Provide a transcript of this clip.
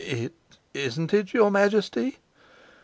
"It it isn't it your Majesty?"